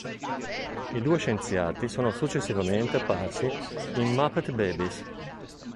I due scienziati sono successivamente apparsi in "Muppet Babies".